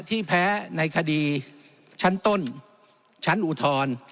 ที่แพ้ในคดีชั้นต้นชั้นอุทธรณ์